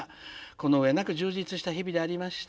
この上なく充実した日々でありました。